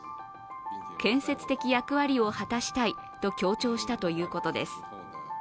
建設的役割を話したいと強調したということです。